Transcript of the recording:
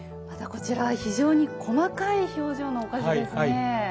またこちらは非常に細かい表情のお菓子ですね。